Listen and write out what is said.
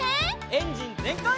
エンジンぜんかい！